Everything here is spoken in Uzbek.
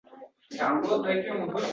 Choy dasturxonga to‘kildi